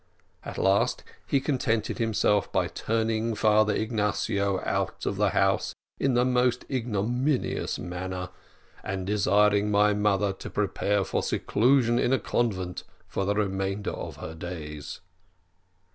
At last he contented himself by turning Father Ignatio out of the house in the most ignominious manner, and desiring my mother to prepare for seclusion in a convent for the remainder of her days.